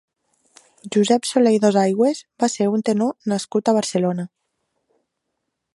Josep Soler i Dosaigües va ser un tenor nascut a Barcelona.